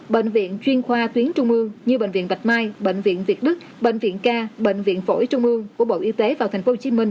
bệnh viện chuyên khoa tuyến trung ương như bệnh viện bạch mai bệnh viện việt đức bệnh viện ca bệnh viện phổi trung ương của bộ y tế vào tp hcm